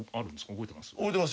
覚えてます？